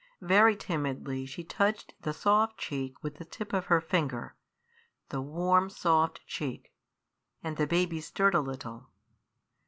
Very timidly she touched the soft cheek with the tip of her finger the warm, soft cheek and the baby stirred a little.